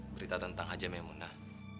berita tentang haji maimunah